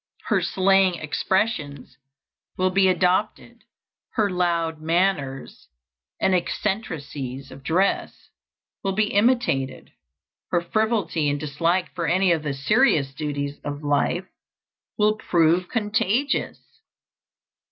Her slang expressions will be adopted; her loud manners and eccentricities of dress will be imitated; her frivolity and dislike for any of the serious duties of life will prove contagious.